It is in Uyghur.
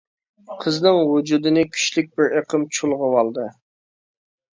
قىزنىڭ ۋۇجۇدىنى كۈچلۈك بىر ئېقىم چۇلغىۋالدى.